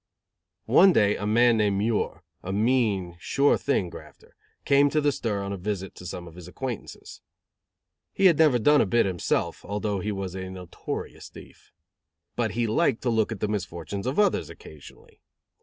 One day a man named "Muir," a mean, sure thing grafter, came to the stir on a visit to some of his acquaintances. He had never done a bit himself, although he was a notorious thief. But he liked to look at the misfortunes of others, occasionally.